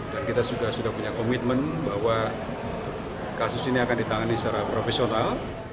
dan kita sudah punya komitmen bahwa kasus ini akan ditangani secara profesional